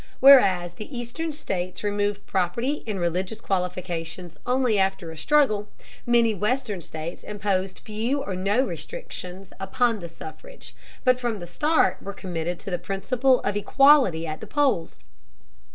Whereas the eastern states removed property and religious qualifications only after a struggle, many western states imposed few or no restrictions upon the suffrage, but from the start were committed to the principle of equality at the polls.